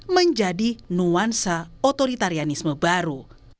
menjadi nuansa otoritarianisme baru